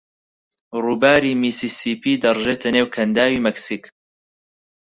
ڕووباری میسیسیپی دەڕژێتە نێو کەنداوی مەکسیک.